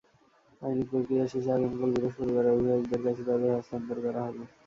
আইনি প্রক্রিয়া শেষে আগামীকাল বৃহস্পতিবার অভিভাবকদের কাছে তাঁদের হস্তান্তর করা হবে।